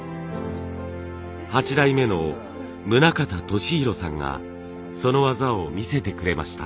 八代目の宗像利浩さんがその技を見せてくれました。